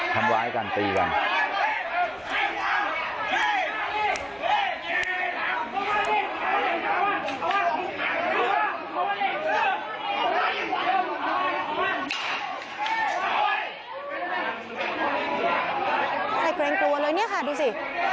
ใครเกรงกลัวเลยนี่ค่ะดูสิ